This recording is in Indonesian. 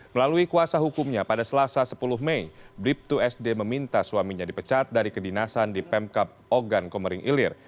melalui kuasa hukumnya pada selasa sepuluh mei brib dua sd meminta suaminya dipecat dari kedinasan di pemkap ogan komering ilir